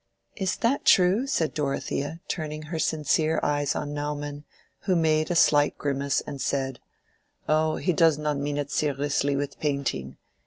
"Is that true?" said Dorothea, turning her sincere eyes on Naumann, who made a slight grimace and said— "Oh, he does not mean it seriously with painting.